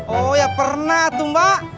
oh ya pernah tuh mbak